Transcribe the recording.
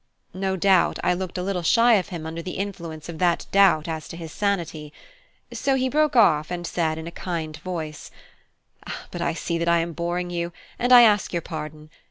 No doubt I looked a little shy of him under the influence of that doubt as to his sanity. So he broke off short, and said in a kind voice: "But I see that I am boring you, and I ask your pardon.